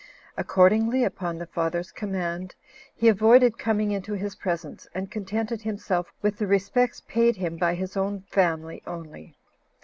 Accordingly, upon the father's command, he avoided coming into his presence, and contented himself with the respects paid him by his own family only.